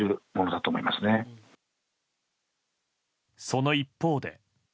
その一方で。